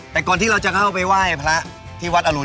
แต่ก่อนที่เราจะเข้าไปไหว้พระที่วัดอรุณ